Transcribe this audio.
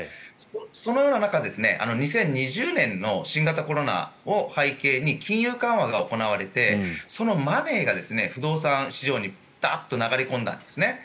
そのような中で２０２０年の新型コロナを背景に金融緩和が行われてそのマネーが不動産市場にダーッと流れ込んだんですね。